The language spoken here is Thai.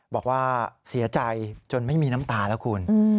บอกว่าเสียใจจนไม่มีน้ำตาแล้วคุณ